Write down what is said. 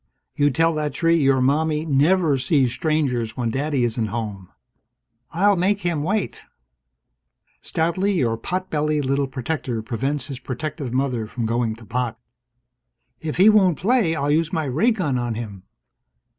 "You tell that tree your Mommie never sees strangers when Daddy isn't home!" "I'll make him wait!" Stoutly your pot bellied little protector prevents his protective mother from going to pot. "If he won't play, I'll use my ray gun on him!"